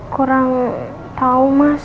kurang tahu mas